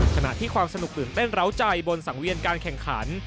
ขณะที่ความสนุกตื่นเต้นร้าวใจบนสังเวียนการแข่งขัน